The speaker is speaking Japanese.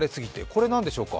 こちらは何でしょうか。